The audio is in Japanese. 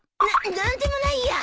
な何でもないよ。